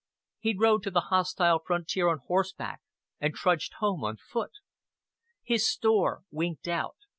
He rode to the hostile frontier on horseback, and trudged home on foot. His store "winked out."